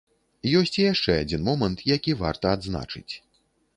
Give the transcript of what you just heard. Ёсць і яшчэ адзін момант, які варта адзначыць.